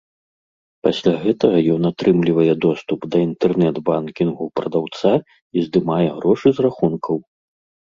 Пасля гэтага ён атрымлівае доступ да інтэрнэт-банкінгу прадаўца і здымае грошы з рахункаў.